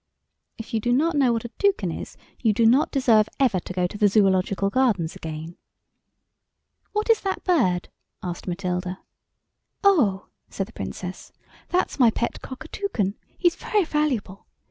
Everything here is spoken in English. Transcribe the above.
(If you do not know what a toucan is you do not deserve ever to go to the Zoological Gardens again.) "What is that bird?" asked Matilda. "Oh," said the Princess, "that's my pet Cockatoucan; he's very valuable.